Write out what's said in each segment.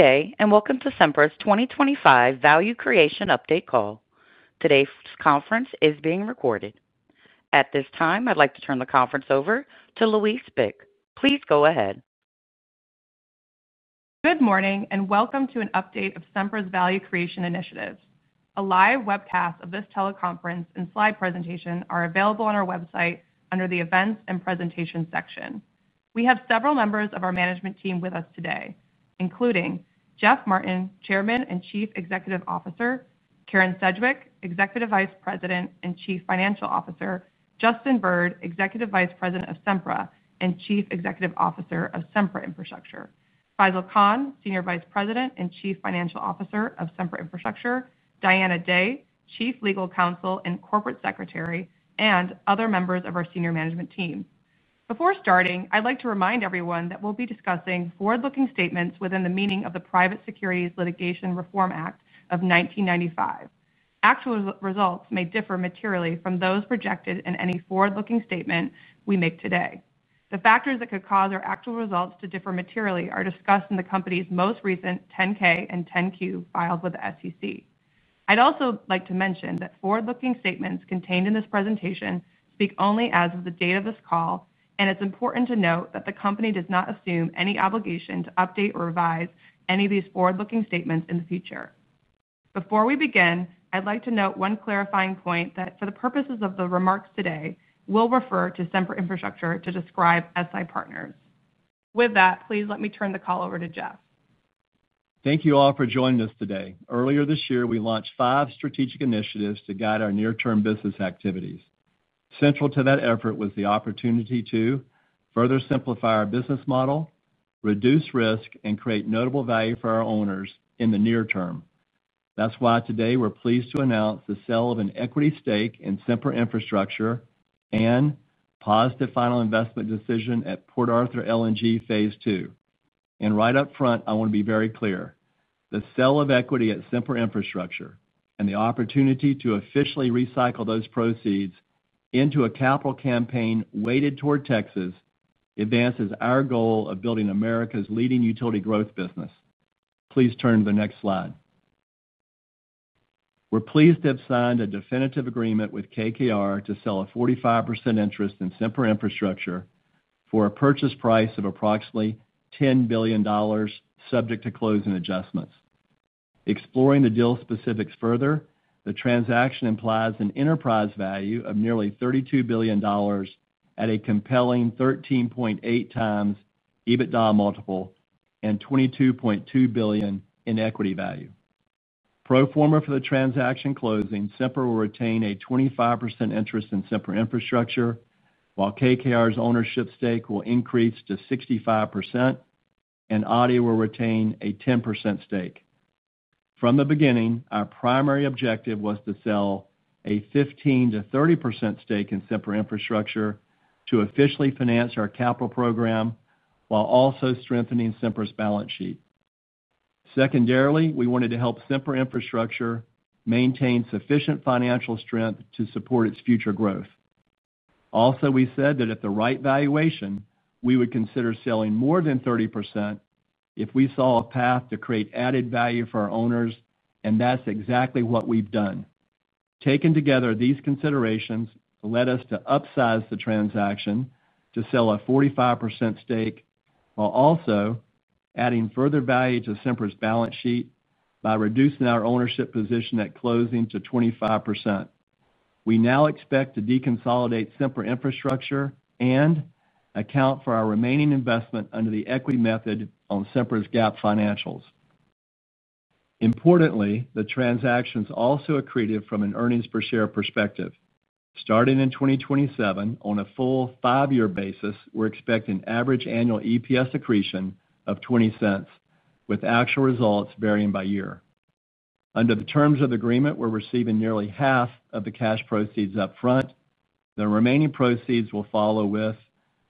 Good day and welcome to Sempra's 2025 Value Creation Update Call. Today's conference is being recorded. At this time, I'd like to turn the conference over to Louise Bick. Please go ahead. Good morning and welcome to an update of Sempra's Value Creation initiative. A live webcast of this teleconference and slide presentation are available on our website under the Events and Presentations section. We have several members of our management team with us today, including Jeff Martin, Chairman and Chief Executive Officer, Karen Sedgwick, Executive Vice President and Chief Financial Officer, Justin Bird, Executive Vice President of Sempra and Chief Executive Officer of Sempra Infrastructure, Faisel Khan, Senior Vice President and Chief Financial Officer of Sempra Infrastructure, Diana Day, Chief Legal Counsel and Corporate Secretary, and other members of our senior management team. Before starting, I'd like to remind everyone that we'll be discussing forward-looking statements within the meaning of the Private Securities Litigation Reform Act of 1995. Actual results may differ materially from those projected in any forward-looking statement we make today. The factors that could cause our actual results to differ materially are discussed in the company's most recent 10-K and 10-Q filed with the SEC. I'd also like to mention that forward-looking statements contained in this presentation speak only as of the date of this call. It's important to note that the company does not assume any obligation to update or revise any of these forward-looking statements in the future. Before we begin, I'd like to note one clarifying point that for the purposes of the remarks today, we'll refer to Sempra Infrastructure to describe SI Partners. With that, please let me turn the call over to Jeff. Thank you all for joining us today. Earlier this year we launched five strategic initiatives to guide our near term business activities. Central to that effort was the opportunity to further simplify our business model, reduce risk, and create notable value for our owners in the near term. That's why today we're pleased to announce the sale of an equity stake in Sempra Infrastructure and a positive final investment decision at Port Arthur LNG Phase II. Right up front, I want to be very clear. The sale of equity at Sempra Infrastructure and the opportunity to officially recycle those proceeds into a capital campaign weighted toward Texas advances our goal of building America's leading utility growth business. Please turn to the next slide. We're pleased to have signed a definitive agreement with KKR to sell a 45% interest in Sempra Infrastructure for a purchase price of approximately $10 billion, subject to closing adjustments. Exploring the deal specifics further, the transaction implies an enterprise value of nearly $32 billion at a compelling 13.8 times EBITDA multiple and $22.2 billion in equity value. Pro forma for the transaction closing, Sempra will retain a 25% interest in Sempra Infrastructure while KKR's ownership stake will increase to 65% and ADIA will retain a 10% stake. From the beginning, our primary objective was to sell a 15%-30% stake in Sempra Infrastructure to officially finance our capital program while also strengthening Sempra's balance sheet. Secondarily, we wanted to help Sempra Infrastructure maintain sufficient financial strength to support its future growth. We also said that at the right valuation, we would consider selling more than 30% if we saw a path to create added value for our owners, and that's exactly what we've done. Taken together, these considerations led us to upsize the transaction to sell a 45% stake while also adding further value to Sempra's balance sheet. By reducing our ownership position at closing to 25%, we now expect to deconsolidate Sempra Infrastructure and account for our remaining investment under the equity method on Sempra's GAAP financials. Importantly, the transaction is also accretive from an earnings per share perspective. Starting in 2027, on a full five year basis, we're expecting average annual EPS accretion of $0.20, with actual results varying by year. Under the terms of the agreement, we're receiving nearly half of the cash proceeds up front. The remaining proceeds will follow with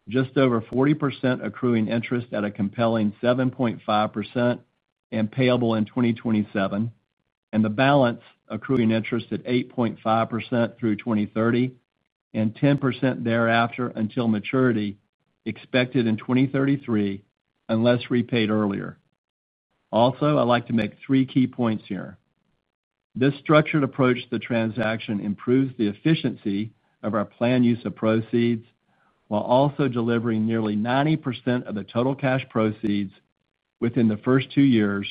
just over 40% accruing interest at a compelling 7.5% and payable in 2027, and the balance accruing interest at 8.5% through 2030 and 10% thereafter until maturity expected in 2033 unless repaid earlier. Also, I'd like to make three key points here. This structured approach to the transaction improves the efficiency of our planned use of proceeds while also delivering nearly 90% of the total cash proceeds within the first two years,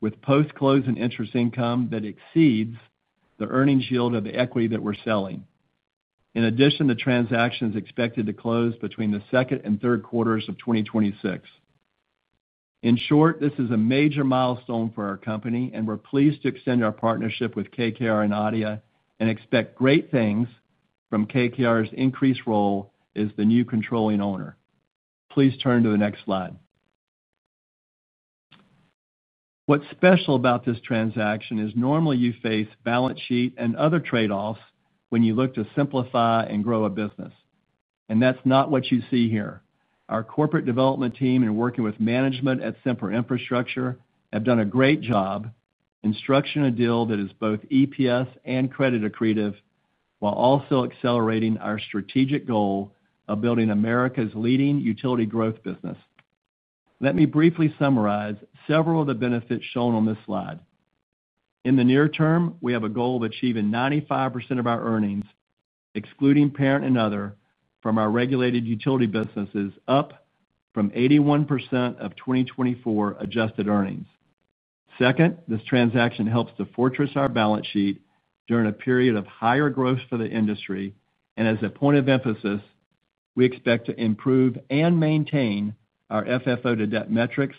with post-close and interest income that exceeds the earnings yield of the equity that we're selling, in addition to transactions expected to close between the second and third quarters of 2026. In short, this is a major milestone for our company, and we're pleased to extend our partnership with KKR and ADIA and expect great things from KKR's increased role as the new controlling owner. Please turn to the next slide. What's special about this transaction is normally you face balance sheet and other trade-offs when you look to simplify and grow a business, and that's not what you see here. Our Corporate Development team, in working with management at Sempra Infrastructure, have done a great job in structuring a deal that is both EPS and credit accretive while also accelerating our strategic goal of building America's leading utility growth business. Let me briefly summarize several of the. Benefits shown on this slide. In the near term, we have a goal of achieving 95% of our earnings excluding parent and other from our regulated utility businesses, up from 81% of 2024 adjusted earnings. Second, this transaction helps to fortress our balance sheet during a period of higher growth for the industry. As a point of emphasis, we expect to improve and maintain our FFO to debt metrics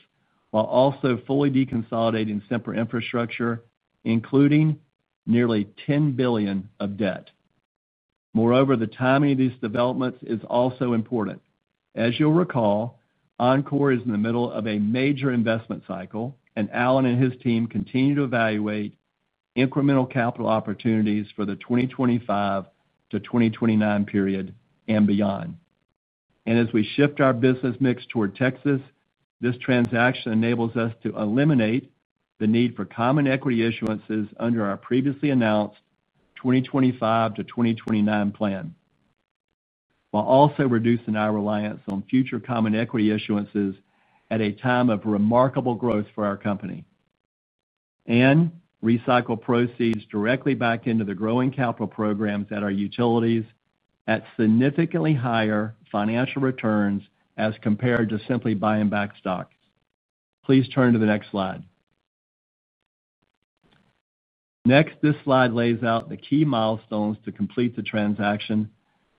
while also fully deconsolidating Sempra Infrastructure including nearly $10 billion of debt. Moreover, the timing of these developments is also important. As you'll recall, Oncor is in the middle of a major investment cycle and Allen and his team continue to evaluate incremental capital opportunities for the 2025-2029 period and beyond. As we shift our business mix toward Texas, this transaction enables us to eliminate the need for common equity issuances under our previously announced 2025-2029 plan, while also reducing our reliance on future common equity issuances at a time of remarkable growth for our company and recycle proceeds directly back into the growing capital programs at our utilities at significantly higher financial returns as compared to simply buying back stock. Please turn to the next slide. Next, this slide lays out the key milestones to complete the transaction.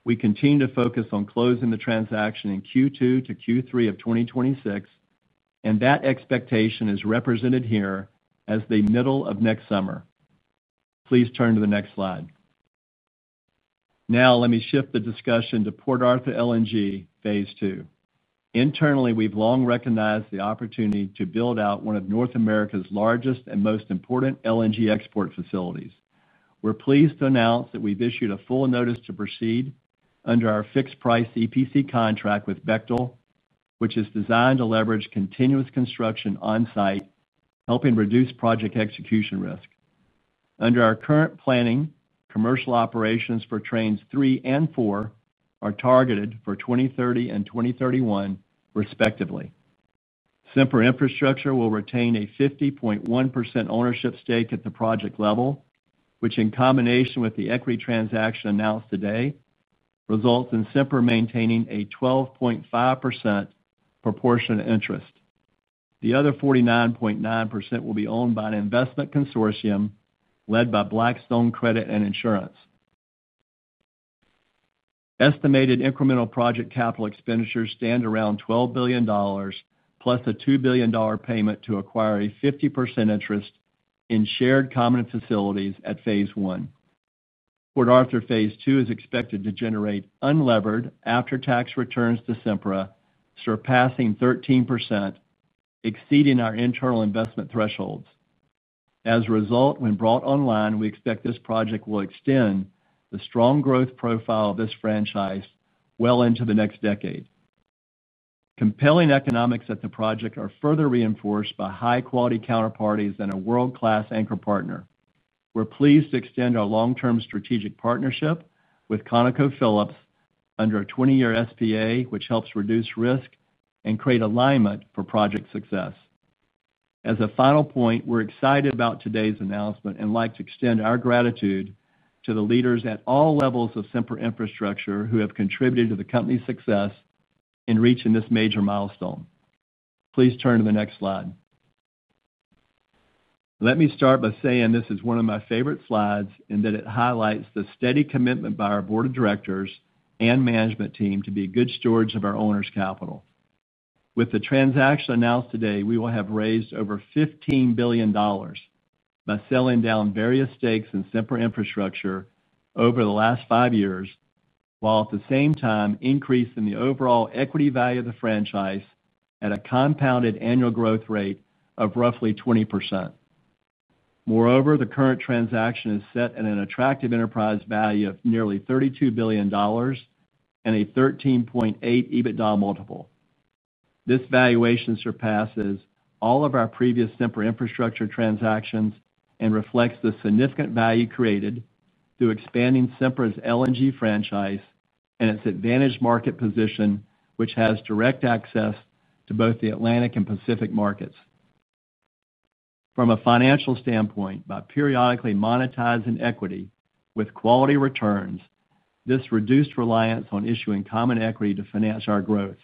We continue to focus on closing the transaction in Q2 to Q3 of 2026, and that expectation is represented here as the middle of next summer. Please turn to the next slide. Now let me shift the discussion to Port Arthur LNG Phase II. Internally, we've long recognized the opportunity to build out one of North America's largest and most important LNG export facilities. We're pleased to announce that we've issued a full notice to proceed under our fixed price EPC contract with Bechtel, which is designed to leverage continuous construction on site, helping reduce project execution risk. Under our current planning, commercial operations for trains 3 and 4 are targeted for 2030 and 2031 respectively. Sempra Infrastructure will retain a 50.1% ownership stake at the project level, which in combination with the equity transaction announced today results in Sempra maintaining a 12.5% proportionate interest. The other 49.9% will be owned by an investment consortium led by Blackstone Credit & Insurance. Estimated incremental project capital expenditures stand around $12 billion + $2 billion payment to acquire a 50% interest in shared common facilities at Phase I, Port Arthur. Phase II is expected to generate unlevered after-tax returns to Sempra surpassing 13%, exceeding our internal investment thresholds. As a result, when brought online, we expect this project will extend the strong growth profile of this franchise well into the next decade. Compelling economics at the project are further reinforced by high-quality counterparties and a world-class anchor partner. We're pleased to extend our long-term strategic partnership with ConocoPhillips under a 20-year SPA, which helps reduce risk and create alignment for project success. As a final point, we're excited about today's announcement and would like to extend our gratitude to the leaders at all levels of Sempra Infrastructure who have contributed to the company's success in reaching this major milestone. Please turn to the next slide. Let me start by saying this is one of my favorite slides and that it highlights the steady commitment by our Board of Directors and management team to be good stewards of our owners' capital. With the transaction announced today, we will have raised over $15 billion by selling down various stakes in Sempra Infrastructure over the last five years, while at the same time increasing the overall equity value of the franchise at a compounded annual growth rate of roughly 20%. Moreover, the current transaction is set at an attractive enterprise value of nearly $32 billion and a 13.8 EBITDA multiple. This valuation surpasses all of our previous Sempra Infrastructure transactions and reflects the significant value created through expanding Sempra's LNG franchise and its advantaged market position, which has direct access to both the Atlantic and Pacific markets. From a financial standpoint, by periodically monetizing equity with quality returns, this reduced reliance on issuing common equity to finance our growth.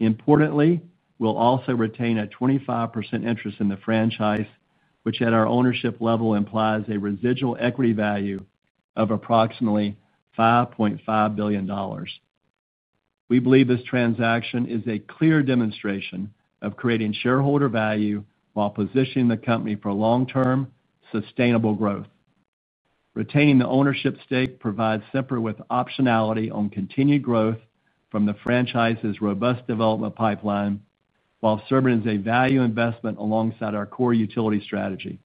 Importantly, we'll also retain a 25% interest in the franchise, which at our ownership level implies a residual equity value of approximately $5.5 billion. We believe this transaction is a clear demonstration of creating shareholder value while positioning the company for long-term sustainable growth. Retaining the ownership stake provides Sempra with optionality on continued growth from the franchise's robust development pipeline while serving as a value investment alongside our core utility strategy.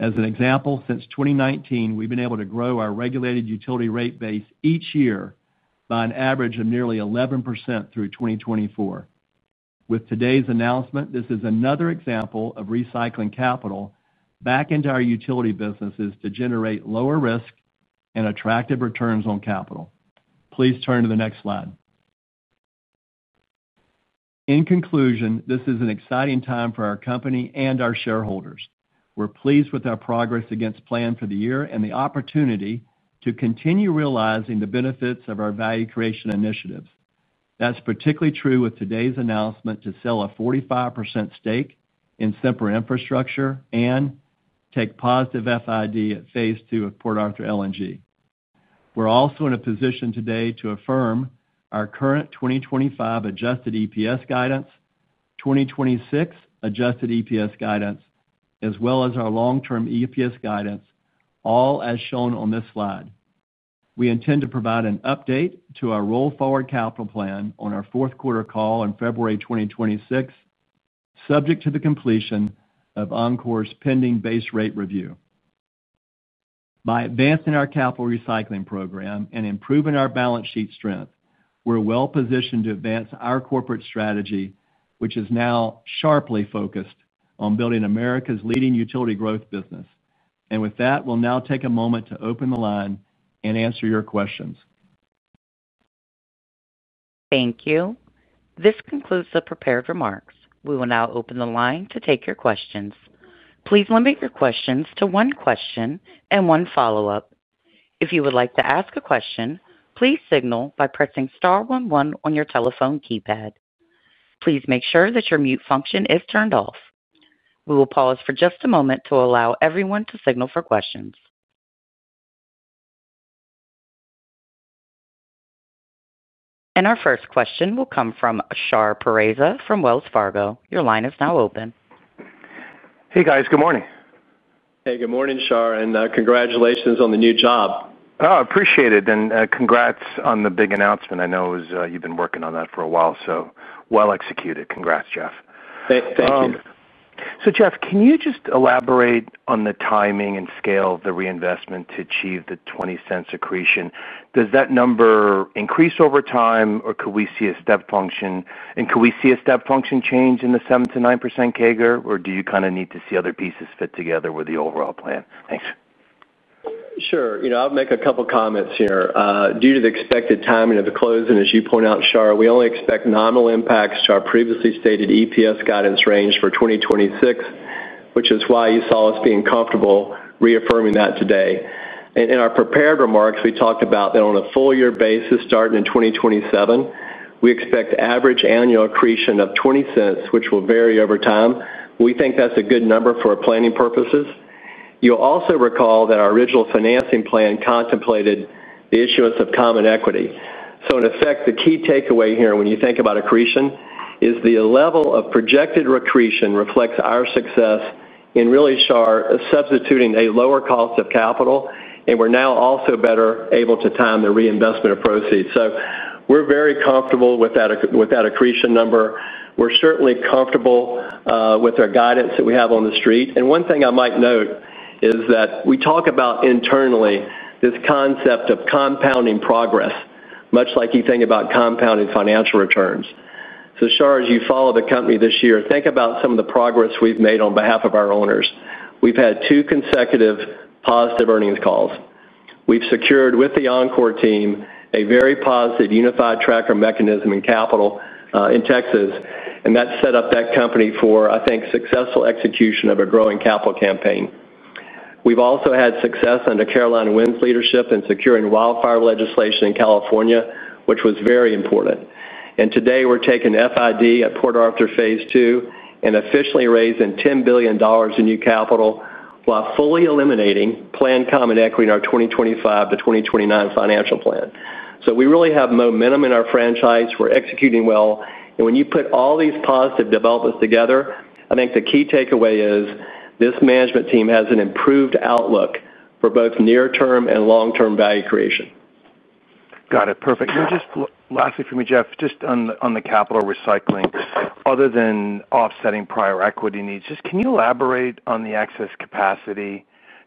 As an example, since 2019 we've been able to grow our regulated utility rate base each year by an average of nearly 11% through 2024. With today's announcement, this is another example of recycling capital back into our utility businesses to generate lower risk and attractive returns on capital. Please turn to the next slide. In conclusion, this is an exciting time for our company and our shareholders. We're pleased with our progress against plan for the year and the opportunity to continue realizing the benefits of our value creation initiatives. That's particularly true with today's announcement to sell a 45% stake in Sempra Infrastructure and take positive FID at Phase II of Port Arthur LNG. We're also in a position today to affirm our current 2025 adjusted EPS guidance, 2026 adjusted EPS guidance, as well as our long-term EPS guidance, all as shown on this slide. We intend to provide an update to our roll forward capital plan on our fourth quarter call in February 2026, subject to the completion of Oncor's pending base rate review. By advancing our capital recycling program and improving our balance sheet strength, we're well positioned to advance our corporate strategy, which is now sharply focused on building America's leading utility growth business. With that, we'll now take a moment to open the line and answer your questions. Thank you. This concludes the prepared remarks. We will now open the line to take your questions. Please limit your questions to one question and one follow-up. If you would like to ask a question, please signal by pressing Star one one on your telephone keypad. Please make sure that your mute function is turned off. We will pause for just a moment to allow everyone to signal for questions. Our first question will come from Shar Pourreza from Wells Fargo. Your line is now open. Hey guys. Good morning. Hey, good morning, Shar. Congratulations on the new job. Appreciate it. Congratulations on the big announcement. I know you've been working on that for a while, so well executed. Congrats, Jeff. Thank you. Jeff, can you just elaborate on the timing and scale of the reinvestment to achieve the $0.20 accretion? Does that number increase over time or could we see a step function? Could we see a step function change in the 7%-9% CAGR? Do you kind of need to see other pieces fit together with the overall plan? Thanks. Sure. I'll make a couple comments here. Due to the expected timing of the closing, as you point out, Shar, we only expect nominal impacts to our previously stated EPS guidance range for 2026, which is why you saw us being comfortable reaffirming that today. In our prepared remarks we talked about that on a full year basis. Starting in 2027, we expect average annual accretion of $0.20, which will vary over time. We think that's a good number for planning purposes. You'll also recall that our original financing plan contemplated the issuance of common equity. In effect, the key takeaway here when you think about accretion is the level of projected accretion reflects our success and really substituting a lower cost of capital. We're now also better able to time the reinvestment of proceeds. We're very comfortable with that accretion number. We're certainly comfortable with our guidance that we have on the street. One thing I might note is that we talk about internally this concept of compounding progress, much like you think about compounding financial returns. Shar, as you follow the company this year, think about some of the progress we've made on behalf of our owners. We've had two consecutive positive earnings calls. We've secured with the Oncor team a very positive unified tracker mechanism in capital in Texas and that set up that company for, I think, successful execution of a growing capital campaign. We've also had success under Caroline Winn's leadership in securing wildfire legislation in California, which was very important. Today we're taking FID at Port Arthur LNG Phase II and officially raising $10 billion in new capital while fully eliminating planned common equity in our 2025-2029 financial plan. We really have momentum in our franchise. We're executing well. When you put all these positive developments together, I think the key takeaway is this management team has an improved outlook for both near term and long term value creation. Got it. Perfect. Just lastly for me, Jeff, just on the capital recycling, other than offsetting prior equity needs, can you elaborate on the excess capacity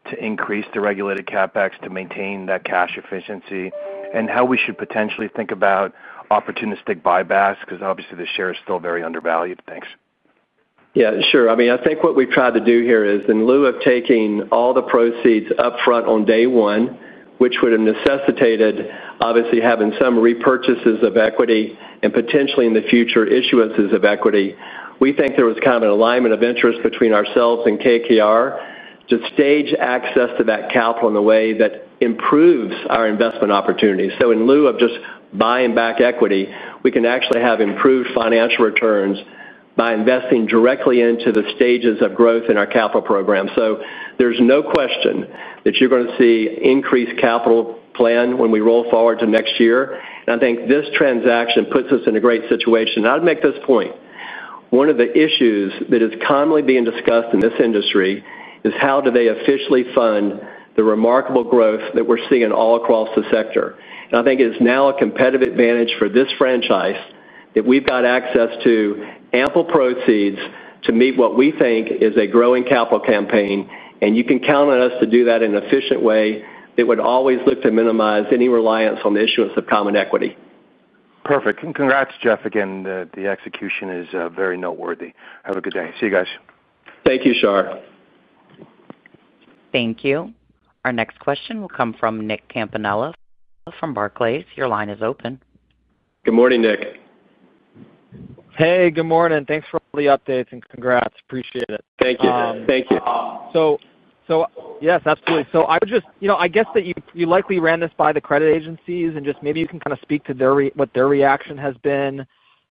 to increase the regulated CapEx to maintain that cash efficiency and how we should potentially think about opportunistic buybacks because obviously the share is still very undervalued. Thanks. Yeah, sure. I mean, I think what we tried to do here is in lieu of taking all the proceeds up front on day one, which would have necessitated obviously having some repurchases of equity and potentially in the future, issuances of equity, we think there was kind of an alignment of interest between ourselves and KKR to stage access to that capital in a way that improves our investment opportunities. In lieu of just buying back equity, we can actually have improved financial returns by investing directly into the stages of growth in our capital program. There's no question that you're going to see increased capital plan when we roll forward to next year. I think this transaction puts us in a great situation. I'd make this point. One of the issues that is commonly being discussed in this industry is how do they officially fund the remarkable growth that we're seeing all across the sector. I think it's now a competitive advantage for this franchise that we've got access to ample proceeds to meet what we think is a growing capital campaign. You can count on us to do that in an efficient way that would always look to minimize any reliance on the issuance of common equity. Perfect. Congrats Jeff. Again, the execution is very noteworthy. Have a good day. See you guys. Thank you, Shar. Thank you. Our next question will come from Nicholas Campanella from Barclays. Your line is open. Good morning, Nick. Hey, good morning. Thanks for all the updates and congrats. Appreciate it. Thank you. Thank you. So. Yes, absolutely. I guess that you likely ran this by the credit agencies, and maybe you can kind of speak to what their reaction has been.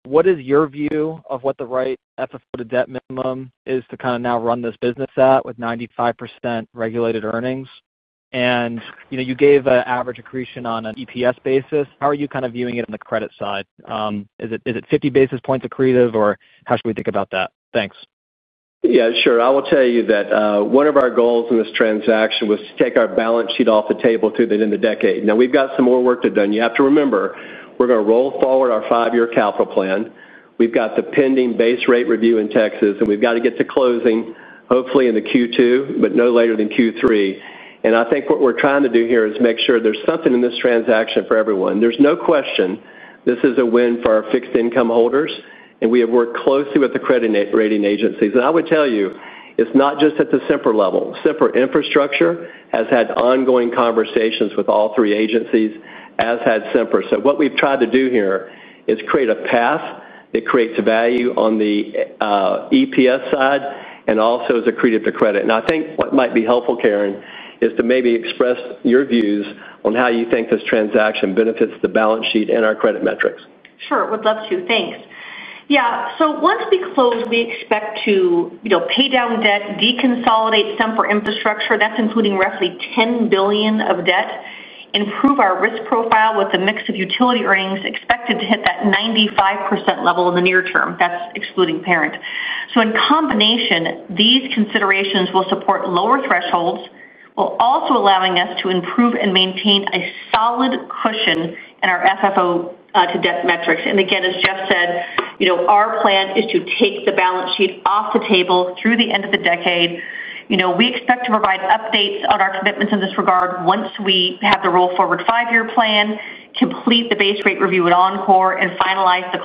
What is your view of what the right FFO to debt minimum is to kind of now run this business at with 95% regulated earnings, and you gave an average accretion on an EPS basis. How are you kind of viewing it? On the credit side? Is it 50 basis points accretive or. How should we think about that? Thanks. Yeah, sure. I will tell you that one of our goals in this transaction was to take our balance sheet off the table to the end of the decade. Now we've got some more work to do. You have to remember we're going to roll forward our five-year capital plan. We've got the pending base rate review in Texas, and we've got to get to closing hopefully in Q2, but no later than Q3. I think what we're trying to do here is make sure there's something in this transaction for everyone. There's no question this is a win for our fixed income holders, and we have worked closely with the credit rating agencies. I would tell you it's not just at the Sempra level. Sempra Infrastructure has had ongoing conversations with all three agencies, as has Sempra. What we've tried to do here is create a path. It creates value on the EPS side and also is accretive to credit. I think what might be helpful, Karen, is to maybe express your views on how you think this transaction benefits the balance sheet and our credit metrics. Sure, would love to. Thanks. Yeah. Once we close, we expect to pay down debt, deconsolidate Sempra Infrastructure, that's including roughly $10 billion of debt, improve our risk profile with the mix of utility earnings expected to hit that 95% level in the near term. That's excluding parent. In combination, these considerations will support lower thresholds while also allowing us to improve and maintain a solid cushion in our FFO to debt metrics. Again, as Jeff said, our plan is to take the balance sheet off the table through the end of the decade. We expect to provide updates on our commitments in this regard once we have the roll forward five-year plan, complete the base rate review at Oncor, and finalize the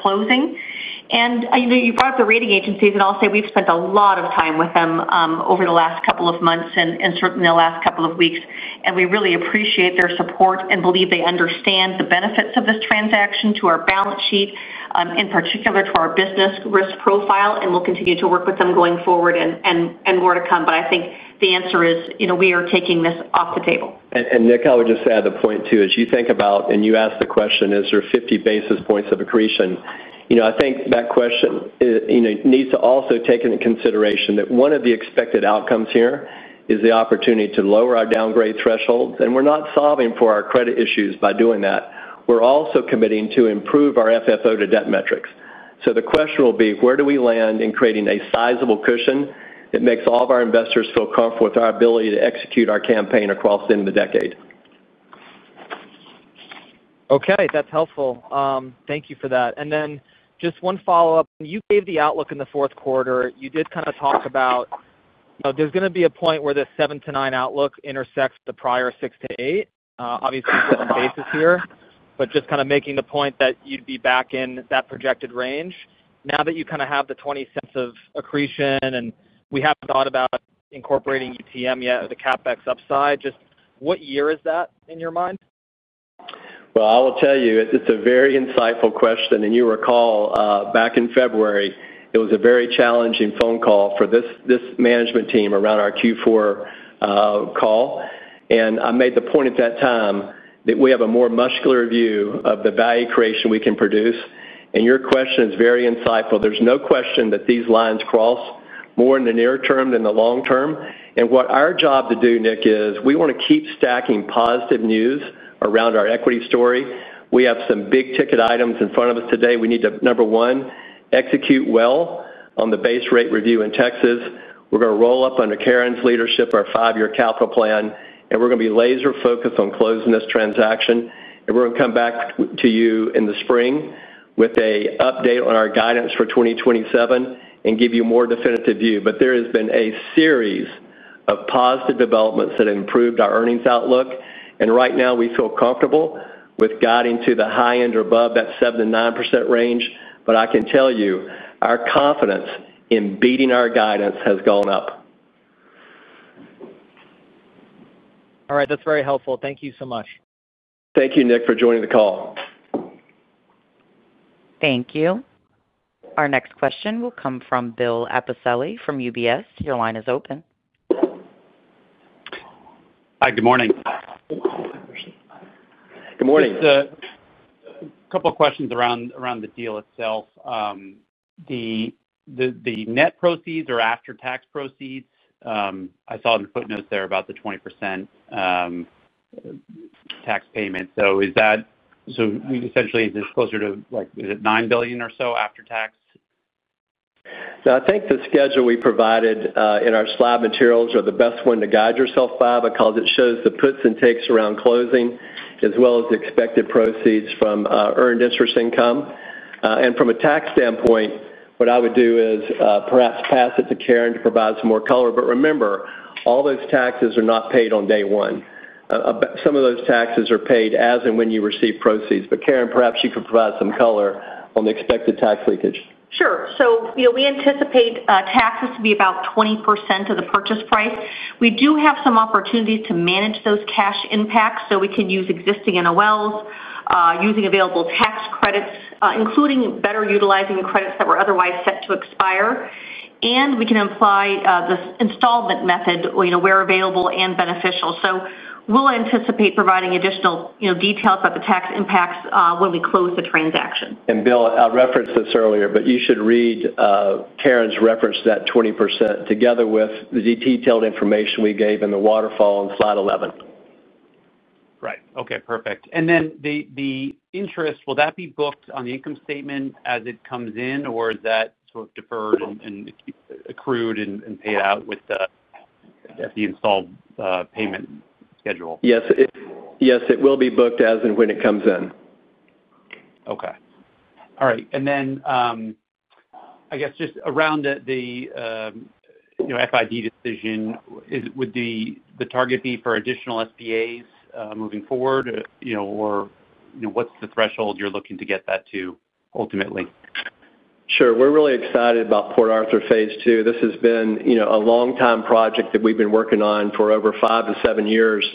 close. You brought up the rating agencies, and I'll say we've spent a lot of time with them over the last couple of months and certainly the last couple of weeks. We really appreciate their support and believe they understand the benefits of this transaction to our balance sheet, in particular to our business risk profile. We'll continue to work with them going forward and more to come. I think the answer is, you know, we are taking this off the table. Nick, I would just add a point too as you think about and you asked the question is there 50 basis points of accretion? I think that question to also take into consideration that one of the expected outcomes here is the opportunity to lower our downgrade threshold. We're not solving for our credit issues by doing that. We're also committing to improve our FFO to debt metrics. The question will be where do we land in creating a sizable cushion that makes all of our investors feel comfortable with our ability to execute our campaign across the end of the decade? Okay, that's helpful, thank you for that. Just one follow up. You gave the outlook in the fourth quarter, you did kind of talk about there's going to be a point where the 7%-9% outlook intersects the prior 6%-8%, obviously 7 basis here, but just kind of making the point that you'd be back in that projected range now that you kind of have the $0.20 of accretion and we haven't thought about incorporating UTM yet or the CapEx upside. Just what year is that in your mind? It's a very insightful question. You recall back in February it was a very challenging phone call for this management team around our Q4 call. I made the point at that time that we have a more muscular view of the value creation we can produce. Your question is very insightful. There's no question that these lines cross more in the near term than the long term. What our job to do, Nick, is we want to keep stacking positive news around our equity story. We have some big ticket items in front of us today. We need to, number one, execute well on the base rate review in Texas. We're going to roll up under Karen's leadership, our five-year capital plan. We're going to be laser focused on closing this transaction. We're going to come back to you in the spring with an update on our guidance for 2027 and give you a more definitive view. There has been a series of positive developments that improved our earnings outlook. Right now we feel comfortable with guiding to the high end or above that 7%-9% range. I can tell you our confidence in beating our guidance has gone up. All right, that's very helpful. Thank you so much. Thank you, Nick, for joining the call. Thank you. Our next question will come from Bill Appicelli from UBS. Your line is open. Hi, good morning. Good morning. A couple questions around the deal itself. The net proceeds or after-tax proceeds. I saw in the footnotes there about the 20% tax payment. Is this closer to like, is it $9 billion or so after tax? Now, I think the schedule we provided in our slide materials is the best one to guide yourself by because it shows the puts and takes around closing as well as the expected proceeds from earned interest income. From a tax standpoint, what I would do is perhaps pass it to Karen to provide some more color. Remember, all those taxes are not paid on day one. Some of those taxes are paid as and when you receive proceeds. Karen, perhaps you could provide some color on the expected tax leakage. Sure. We anticipate taxes to be about 20% of the purchase price. We do have some opportunities to manage those cash impacts. We can use existing NOLs using available tax credits, including better utilizing credits that were otherwise set to expire. We can apply this installment method where available and beneficial. We anticipate providing additional details about the tax impacts when we close the transaction. Bill, I referenced this earlier, but you should read Karen's reference to that 20% together with the detailed information we gave in the waterfall on slide 11. Right. Okay, perfect. The interest, will that be booked on the income statement as it comes in, or is that sort of deferred and accrued and paid out with the as the installed payment schedule? Yes, yes, it will be booked as and when it comes in. All right. I guess just around the, you know, FID decision, would the target be for additional SPAs moving forward, or what's the threshold you're looking to get that to? Ultimately. Sure. We're really excited about Port Arthur LNG Phase II. This has been, you know, a long time project that we've been working on for over five to seven years.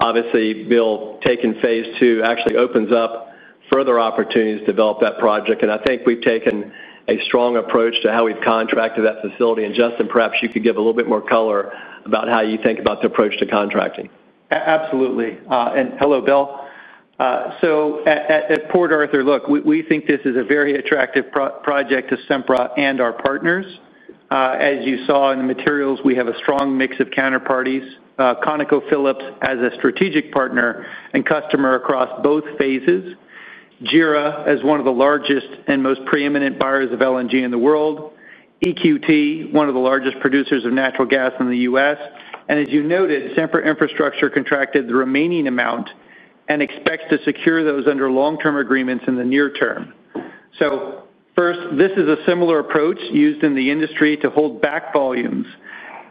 Obviously, Bill, taking Phase II actually opens up further opportunities to develop that project. I think we've taken a strong approach to how we've contracted that facility. Justin, perhaps you could give a little bit more color about how you think about the approach to contracting. Absolutely. And. Hello, Bill. At Port Arthur, look, we think this is a very attractive project to Sempra and our partners. As you saw in the materials, we have a strong mix of counterparties. ConocoPhillips as a strategic partner and customer across both phases. JERA as one of the largest and most preeminent buyers of LNG in the world, EQT, one of the largest producers of natural gas in the U.S., and as you noted, Sempra Infrastructure contracted the remaining amount and expects to secure those under long-term agreements in the near term. First, this is a similar approach used in the industry to hold back volumes,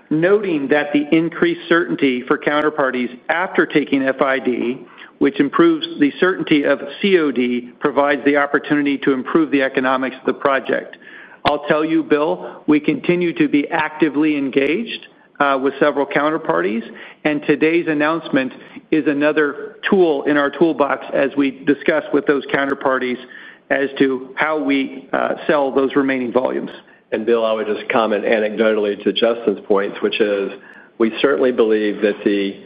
noting that the increased certainty for counterparties after taking FID, which improves the certainty of COD, provides the opportunity to improve the economics of the project. I'll tell you, Bill, we continue to be actively engaged with several counterparties and today's announcement is another tool in our toolbox as we discuss with those counterparties as to how we sell those remaining volumes. Bill, I would just comment anecdotally to Justin's points, which is we certainly believe that the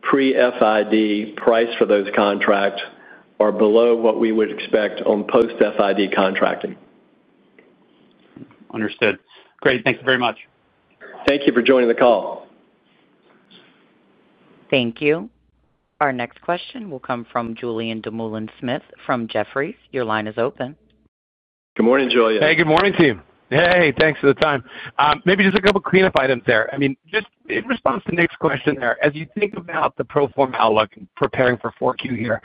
pre FID price for those contracts are below what we would expect on post FID contracting. Understood. Great. Thanks very much. Thank you for joining the call. Thank you. Our next question will come from Julien Dumoulin-Smith from Jefferies. Your line is open. Good morning, Julien. Hey, good morning, team. Hey, thanks for the time. Maybe just a couple cleanup items there. I mean, in response to Nick's question there, as you think about the pro forma outlook, preparing for 4Q here,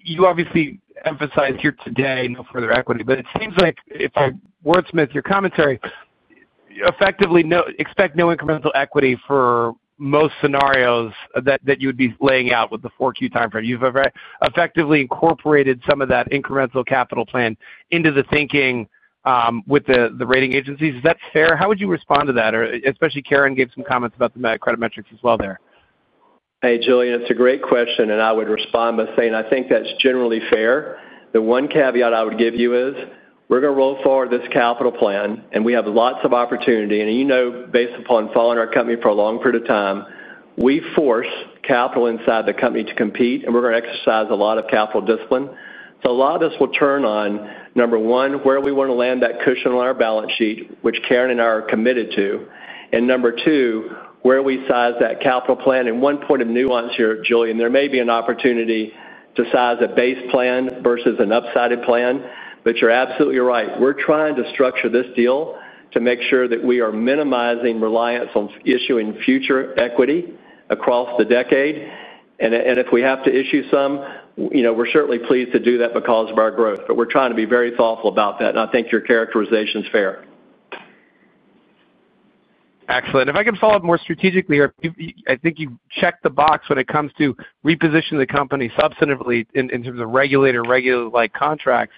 you obviously emphasize here today no further equity. It seems like if I wordsmith your commentary, effectively expect no incremental equity for most scenarios that you would be laying out with the 4Q timeframe. You've effectively incorporated some of that incremental capital plan into the thinking with the rating agencies. Is that fair? How would you respond to that, especially. Karen gave some comments about the credit. Metrics as well there. Hey, Julien, it's a great question. I would respond by saying I think that's generally fair. The one caveat I would give you is we're going to roll forward this capital plan, and we have lots of opportunity. You know, based upon following our company for a long period of time, we force capital inside the company to compete, and we're going to exercise a lot of capital discipline. A lot of this will turn on, number one, where we want to land that cushion on our balance sheet, which Karen and I are committed to, and number two, where we size that capital plan. One point of nuance here, Julien. There may be an opportunity to size a base plan versus an upsided plan, but you're absolutely right. We're trying to structure this deal to make sure that we are minimizing reliance on issuing future equity across the decade. If we have to issue some, you know, we're certainly pleased to do that because of our growth. We're trying to be very thoughtful about that. I think your characterization is fair. Excellent. If I can follow up more strategically. I think you checked the box when it comes to repositioning the company substantively in terms of regulator. Regulator, like contracts,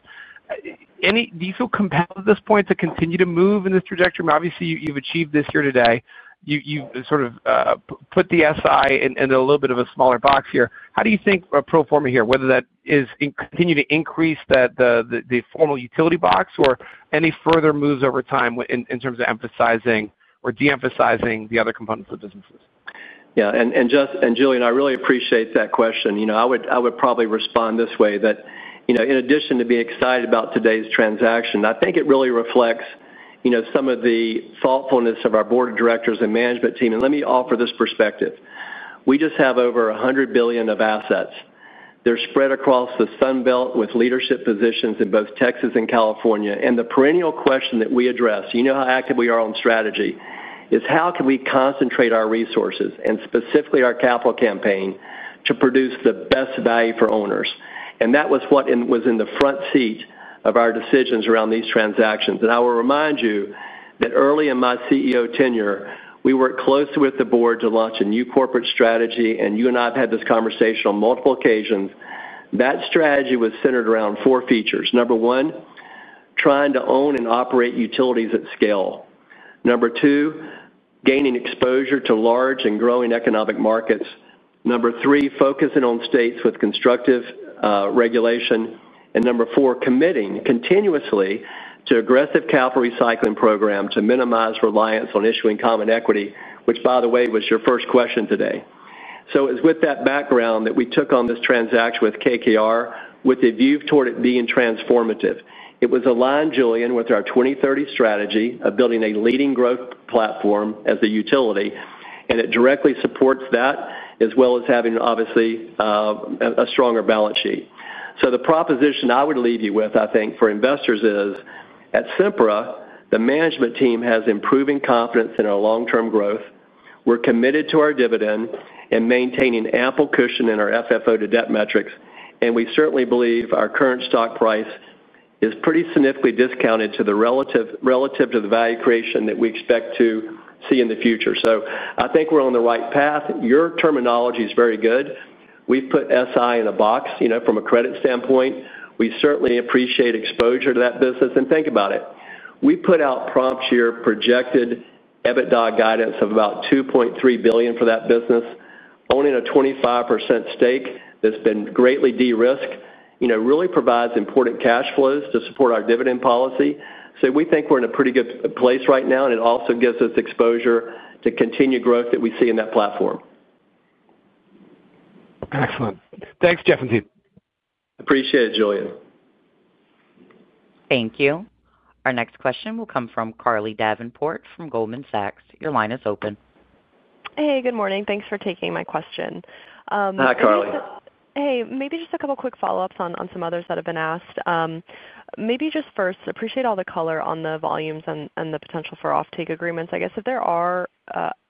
any diesel compound at this point, to continue to move in this trajectory, obviously you've achieved this year. Today, you sort of put the SI in a little bit of a smaller box here. How do you think pro forma here, whether that is, continue to increase the formal utility box or any further moves over time in terms of emphasizing or deemphasizing the other components of businesses. Yeah, and Julien, I really appreciate that question. I would probably respond this way: in addition to being excited about today's transaction, I think it really reflects some of the thoughtfulness of our Board of Directors and management team. Let me offer this perspective. We just have over $100 billion of assets. They're spread across the Sunbelt with leadership positions in both Texas and California. The perennial question that we address, you know, how active we are on strategy, is how can we concentrate our resources and specifically our capital campaign to produce the best value for owners? That was what was in the front seat of our decisions around these transactions. I will remind you that early in my CEO tenure, we worked closely with the Board to launch a new corporate strategy. You and I have had this conversation on multiple occasions. That strategy was centered around four features. Number one, trying to own and operate utilities at scale. Number two, gaining exposure to large and growing economic markets. Number three, focusing on states with constructive regulation, and number four, committing continuously to an aggressive capital recycling program to minimize reliance on issuing common equity, which, by the way, was your first question today. It is with that background that we took on this transaction with KKR with a view toward it being transformative. It was aligned, Julien, with our 2030 strategy of building a leading growth platform as a utility, and it directly supports that as well as having obviously a stronger balance sheet. The proposition I would leave you with, I think for investors, is at Sempra, the management team has improving confidence in our long-term growth. We're committed to our dividend and maintaining ample cushion in our FFO to debt metrics. We certainly believe our current stock price is pretty significantly discounted relative to the value creation that we expect to see in the future. I think we're on the right path. Your terminology is very good. We've put Sempra Infrastructure in a box. From a credit standpoint, we certainly appreciate exposure to that business. Think about it, we put out prompt year projected EBITDA guidance of about $2.3 billion for that business. Owning a 25% stake that's been greatly de-risked really provides important cash flows to support our dividend policy. We think we're in a pretty good place right now. It also gives us exposure to continued growth that we see in that platform. Excellent. Thanks, Jeffrey. Appreciate it, Julien. Thank you. Our next question will come from Carly Davenport from Goldman Sachs. Your line is open. Hey, good morning. Thanks for taking my question. Hi, Carly. Maybe just a couple quick follow ups on some others that have been asked. First, appreciate all the color on the volumes and the potential for offtake agreements. I guess if there are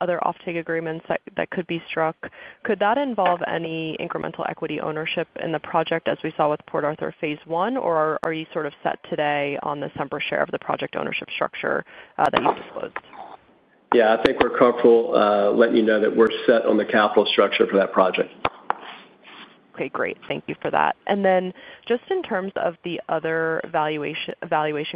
other offtake agreements that could be struck, could that involve any incremental equity ownership in the project as we saw with Port Arthur LNG Phase I? Or are you sort of set today on the Sempra share of the project ownership structure that you disclosed? Yeah, I think we're comfortable letting you know that we're set on the capital structure for that project. Okay, great. Thank you for that. In terms of the other value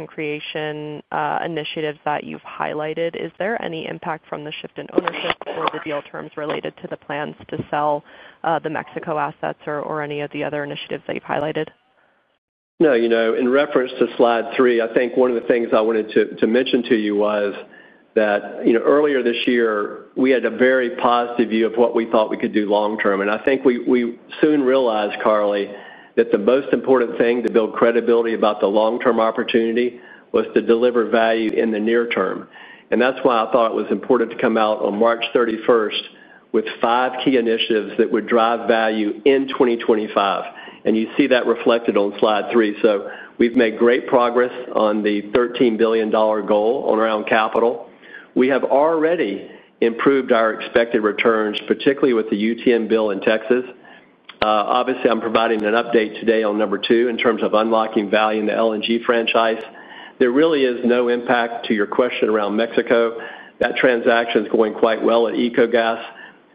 creation initiatives that you've highlighted, is there any impact from the shift in ownership for the deal terms related to the plans to sell the Mexico assets or any of the other initiatives that you've highlighted? No. In reference to Slide 3, I think one of the things I wanted to mention to you was that earlier this year we had a very positive view of what we thought we could do long term. I think we soon realized, Carly, that the most important thing to build credibility about the long term opportunity was to deliver value in the near term. That's why I thought it was important to come out on March 31 with five key initiatives that would drive value in 2025. You see that reflected on Slide 3. We've made great progress on the $13 billion goal on our own capital. We have already improved our expected returns, particularly with the UTM bill in Texas. Obviously, I'm providing an update today on number two in terms of unlocking value in the LNG franchise. There really is no impact to your question around Mexico. That transaction is going quite well at Ecogas.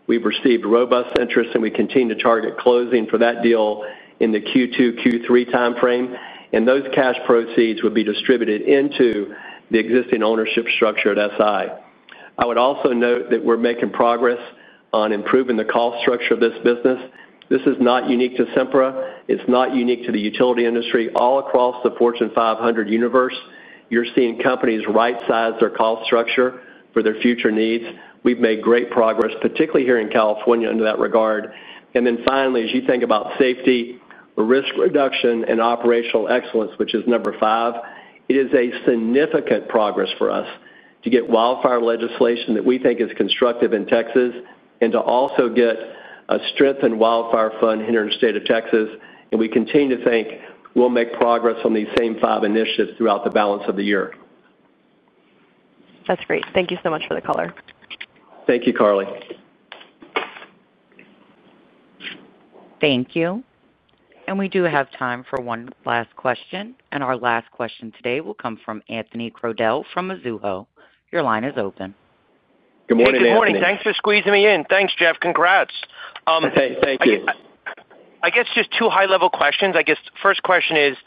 We've received robust interest and we continue to target closing for that deal in the Q2 Q3 timeframe. Those cash proceeds would be distributed into the existing ownership structure at Sempra Infrastructure. I would also note that we're making progress on improving the cost structure of this business. This is not unique to Sempra. It's not unique to the utility industry. Across the Fortune 500 universe, you're seeing companies right size their cost structure for their future needs. We've made great progress, particularly here in California under that regard. Finally, as you think about safety, risk reduction, and operational excellence, which is number five, it is significant progress for us to get wildfire legislation that we think is constructive in Texas and to also get a strengthened wildfire fund here in the state of Texas. We continue to think we'll make progress on these same five initiatives throughout. The balance of the year. That's great. Thank you so much for the color. Thank you, Carly. Thank you. We do have time for one last question. Our last question today will come from Anthony Crowdell from Mizuho. Your line is open. Good morning, Anthony. Good morning. Thanks for squeezing me in. Thanks, Jeff. Congrats. Thank you. I guess just two high level questions. First question is,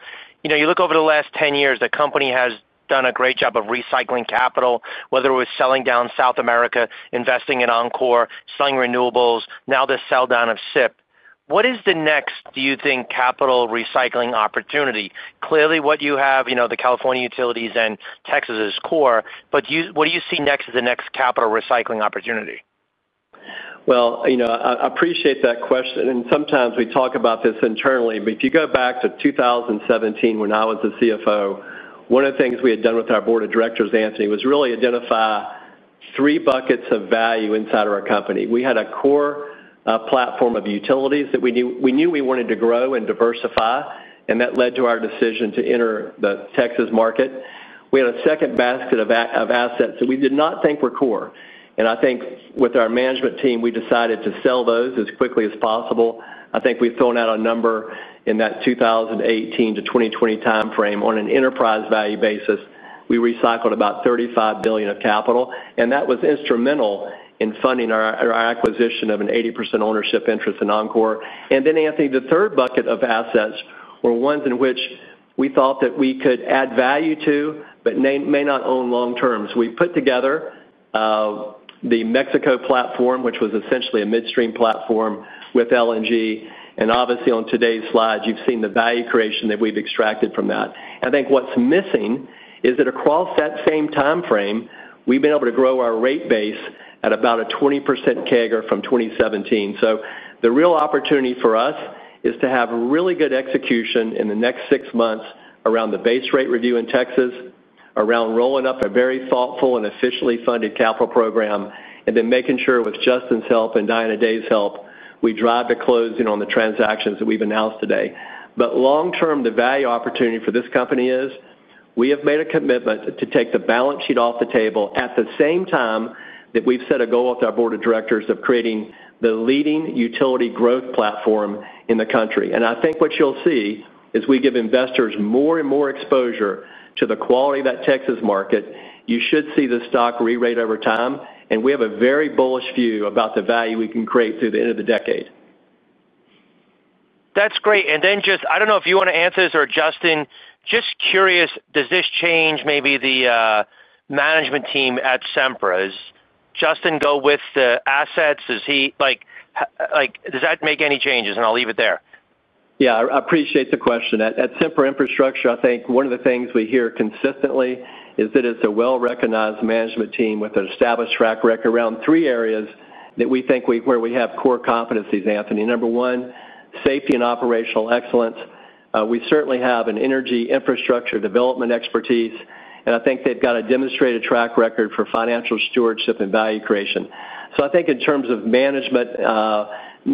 you know, you look over the last 10 years, the company has done a great job of recycling capital. Whether it was selling down South America, investing in Oncor, selling renewables, now the sell down of Sempra Infrastructure. What is the next do you think capital recycling opportunity? Clearly what you have, you know, the California utilities and Texas is core. What do you see next as the next capital recycling opportunity? I appreciate that question and sometimes we talk about this internally, but if you go back to 2017, when I was the CFO, one of the things we had done with our board of directors, Anthony, was really identify three buckets of value inside of our company. We had a core platform of utilities that we knew we wanted to grow and diversify. That led to our decision to enter the Texas market. We had a second basket of assets that we did not think were core. I think with our management team, we decided to sell those as quickly as possible. I think we've thrown out a number in that 2018-2020 timeframe on an enterprise value basis, we recycled about $35 billion of capital and that was instrumental in funding our acquisition of an 80% ownership interest in Oncor. Anthony, the third bucket of assets were ones in which we thought that we could add value to but may not own long term. We put together the Mexico platform, which was essentially a midstream platform with LNG. Obviously on today's slide you've seen the value creation that we've extracted from that. I think what's missing is that across that same timeframe we've been able to grow our rate base at about a 20% CAGR from 2017. The real opportunity for us is to have really good execution in the next six months around the base rate review in Texas, around rolling up a very thoughtful and officially funded capital program and then making sure with Justin's help and Diana Dave's help, we drive the closing on the transactions that we've announced today. Long term, the value opportunity for this company is we have made a commitment to take the balance sheet off the table at the same time that we've set a goal with our board of directors of creating the leading utility growth platform in the country. I think what you'll see is we give investors more and more exposure to the quality of that Texas market. You should see the stock re-rate over time. We have a very bullish view about the value we can create through the end of the decade. That's great. I don't know if you want to answer this or Justin, just curious, does this change maybe the management team at Sempra? Is Justin go with the assets? Is he like, like, does that make any changes? I'll leave it there. Yeah, I appreciate the question. At Sempra Infrastructure, I think one of the things we hear consistently is that it's a well-recognized management team with an established track record around three areas that we think where we have core competencies. Anthony, number one, safety and operational excellence. We certainly have an energy infrastructure development expertise, and I think they've got a demonstrated track record for financial stewardship and value creation. I think in terms of management,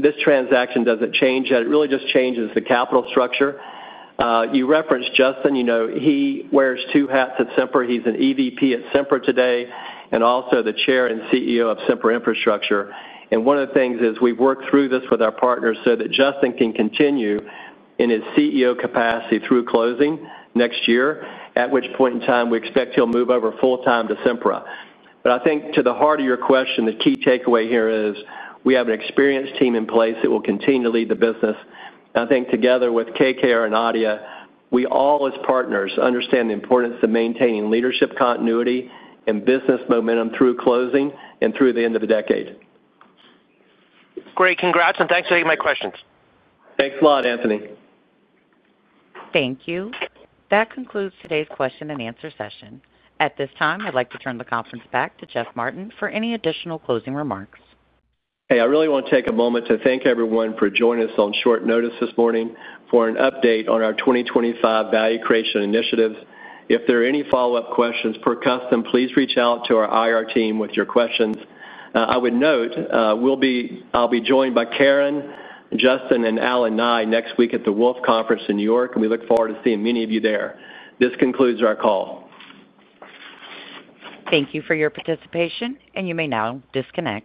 this transaction doesn't change. It really just changes the capital structure. You referenced Justin. You know, he wears two hats at Sempra. He's an EVP at Sempra today and also the Chair and CEO of Sempra Infrastructure. One of the things is we've worked through this with our partners so that Justin can continue in his CEO capacity through closing next year, at which point in time we expect he'll move over full time to Sempra. I think to the heart of your question, the key takeaway here is we have an experienced team in place that will continue to lead the business. I think together with KKR and ADIA, we all as partners understand the importance of maintaining leadership continuity and business momentum through closing and through the end of the decade. Great, congrats and thanks for taking my questions. Thanks a lot, Anthony. Thank you. That concludes today's question and answer session. At this time, I'd like to turn the conference back to Jeff Martin for any additional closing remarks. Hey, I really want to take a moment to thank everyone for joining us on short notice this morning for an update on our 2025 value creation initiatives. If there are any follow up questions per custom, please reach out to our IR team with your questions. I would note I'll be joined by Karen Sedgwick, Justin Bird, and Allen Nye next week at the Wolfe Conference in New York, and we look forward to seeing many of you there. This concludes our call. Thank you for your participation, and you may now disconnect.